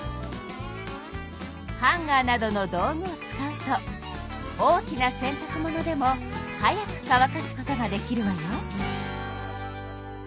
ハンガーなどの道具を使うと大きな洗たく物でも早く乾かすことができるわよ。